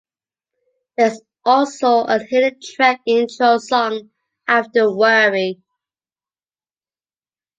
There is also a hidden track, "Intro Song", after "Worry".